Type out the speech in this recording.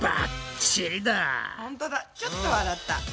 ちょっと笑った。